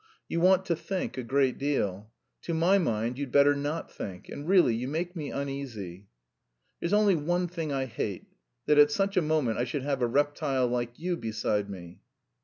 You want to think a great deal. To my mind you'd better not think. And really you make me uneasy." "There's only one thing I hate, that at such a moment I should have a reptile like you beside me."